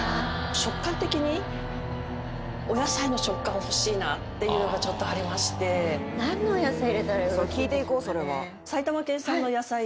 食感的にお野菜の食感欲しいなっていうのがちょっとありましてへぇ！